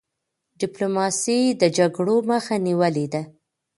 ډيپلوماسی د جګړو مخه نیولي ده.